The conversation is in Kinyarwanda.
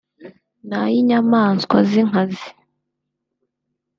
n’ay’inyamaswa z’inkazi